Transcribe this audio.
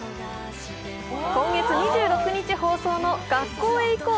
今月２６日放送の「学校へ行こう！